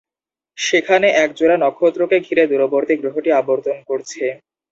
সেখানে এক জোড়া নক্ষত্রকে ঘিরে দূরবর্তী গ্রহটি আবর্তন করছে।